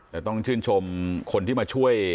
แต่ต้องชื่นชมคนที่มาช่วย